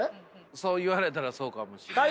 そう言われたらそうかもしれない。